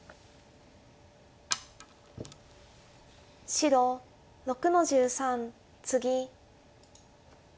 白６の十三ツギ。